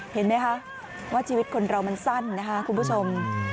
เห็นไหมคะว่าชีวิตคนเรามันสั้นนะคะคุณผู้ชม